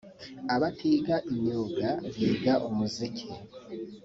Abatiga imyuga biga umuziki